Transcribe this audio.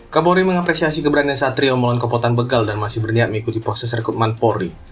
kapolri mengapresiasi keberanian satrio melawan kopotan begal dan masih berniat mengikuti proses rekrutmen polri